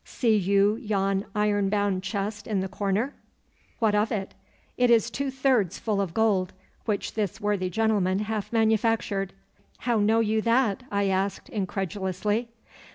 'See you yon iron bound chest in the corner?' 'What of it?' 'It is two thirds full of gold, which this worthy gentleman hath manufactured.' 'How know you that?' I asked incredulously.